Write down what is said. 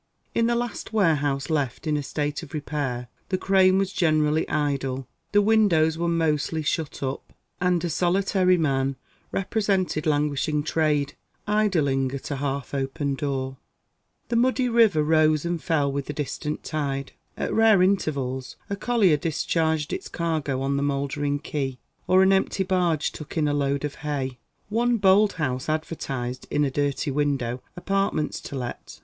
In the last warehouse left in a state of repair, the crane was generally idle; the windows were mostly shut up; and a solitary man represented languishing trade, idling at a half opened door. The muddy river rose and fell with the distant tide. At rare intervals a collier discharged its cargo on the mouldering quay, or an empty barge took in a load of hay. One bold house advertised, in a dirty window, apartments to let.